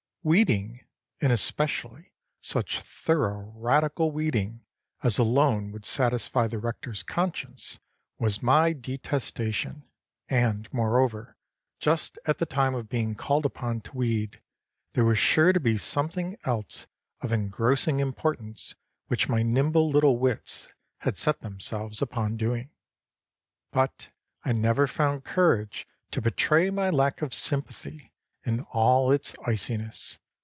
Weeding, and especially such thorough, radical weeding as alone would satisfy the rector's conscience, was my detestation; and, moreover, just at the time of being called upon to weed, there was sure to be something else of engrossing importance which my nimble little wits had set themselves upon doing. But I never found courage to betray my lack of sympathy in all its iciness.